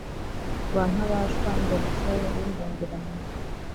Rwa Ntabashwa ndi umusore w’imbungiramihigo.